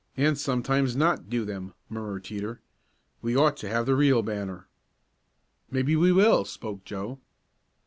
"And sometimes not do them," murmured Teeter. "We ought to have the real banner." "Maybe we will," spoke Joe.